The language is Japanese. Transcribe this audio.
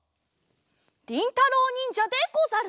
りんたろうにんじゃでござる！